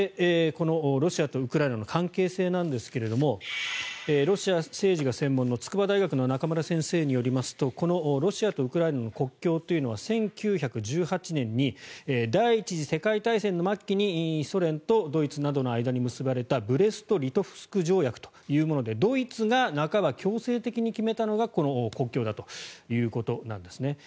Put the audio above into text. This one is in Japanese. このロシアとウクライナの関係性なんですがロシア政治が専門の筑波大学の中村先生によりますとロシアとウクライナの国境は１９１８年に第１次世界大戦の末期にソ連とドイツなどの間で結ばれたブレスト・リトフスク条約というものでドイツがなかば強制的に決めたのがこの国境だということです。